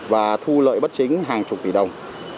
và thu lợi bất chính hàng chục tỷ đồng